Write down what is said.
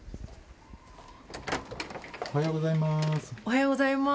おはようございます。